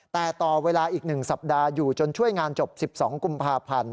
แต่ต่อเวลาอีก๑สัปดาห์อยู่จนช่วยงานจบ๑๒กุมภาพันธ์